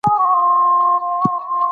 د مېلو پر وخت خلک خپل دودیز خواړه شریکوي.